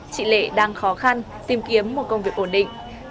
chị lệ đang khó khăn tìm kiếm một công việc ổn định